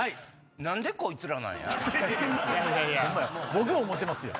僕も思ってますよ。